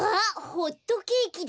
ホットケーキだ！